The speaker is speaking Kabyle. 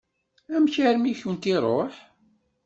Amek armi i kent-iṛuḥ?